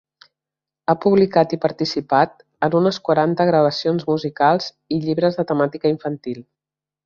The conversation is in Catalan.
Ha publicat i participat en unes quaranta gravacions musicals i llibres de temàtica infantil.